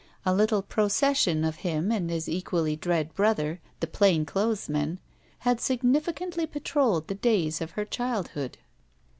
A Kttle procession of him and his equally dread brother, the plain clothes man, had significantly patrolled the days of her childhood.